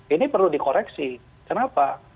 ini perlu dikoreksi kenapa